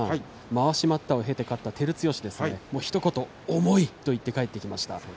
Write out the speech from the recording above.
まわし待ったを受けて立った照強ですがひと言、重いと言って帰っていきました。